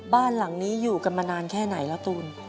บ้านหลังนี้อยู่กันมานานแค่ไหนแล้วตูน